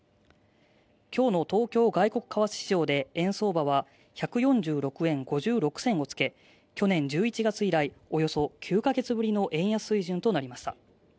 今日の東京外国為替市場で円相場は１４６円５６銭をつけ去年１１月以来およそ９か月ぶりの円安水準となりました